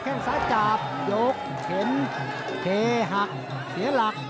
แค่งซ้ายจับยกเข็นเคหักเสียหลัก